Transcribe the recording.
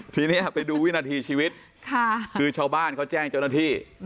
ทีนี้ไปดูวินาทีชีวิตคือชาวบ้านเขาแจ้งเจ้าหน้าที่